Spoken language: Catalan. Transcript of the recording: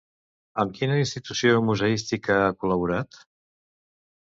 Amb quina institució museística ha col·laborat?